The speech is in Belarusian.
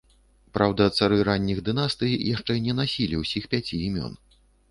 Праўда, цары ранніх дынастый яшчэ не насілі ўсіх пяці імён.